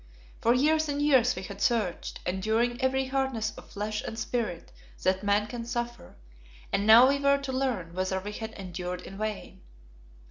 For years and years we had searched, enduring every hardness of flesh and spirit that man can suffer, and now we were to learn whether we had endured in vain.